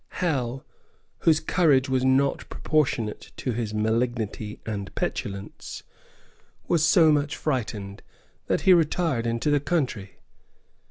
Howe, whose courage was not proportionate to his malignity and petulance, was so much frightened, that he retired into the country.